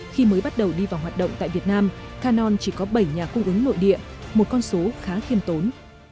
khi mới bắt đầu đi vào hoạt động tại việt nam canon chỉ có bảy nhà cung ứng nội địa một con số khá khiêm tốn